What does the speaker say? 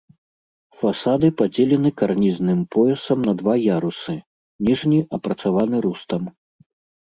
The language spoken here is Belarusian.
Фасады падзелены карнізным поясам на два ярусы, ніжні апрацаваны рустам.